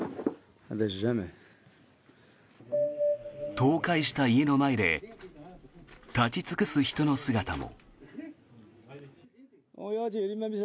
倒壊した家の前で立ち尽くす人の姿も。